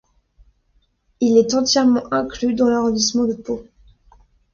Il est entièrement inclus dans l'arrondissement de Pau.